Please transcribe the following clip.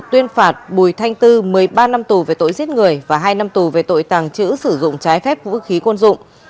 tuyên phạt bùi thanh tư một mươi ba năm tù về tội giết người và hai năm tù về tội tàng trữ sử dụng trái phép vũ khí quân dụng